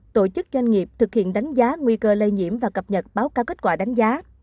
tổ chức doanh nghiệp thực hiện đánh giá nguy cơ lây nhiễm và cập nhật báo cáo kết quả đánh giá